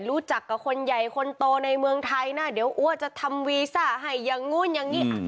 รู้จักกับคนใหญ่คนโตในเมืองไทยนะเดี๋ยวอัวจะทำวีซ่าให้อย่างนู้นอย่างนี้